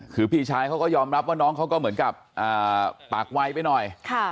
คือพี่ชายเขาก็ยอมรับว่าน้องเขาก็เหมือนกับปากไวไปหน่อย